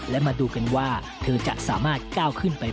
และมาดูกันว่าเธอจะสามารถก้าวขึ้นไป